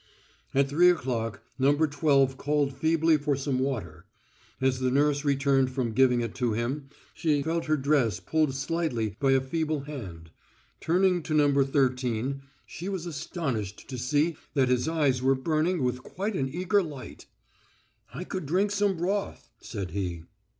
At three o'clock No. Twelve called feebly for some water; as the nurse returned from giving it to him she felt her dress pulled slightly by a feeble hand. Turning to No. Thirteen she was astonished to see that his eyes were burning with quite an eager light. "I could drink some broth," said he.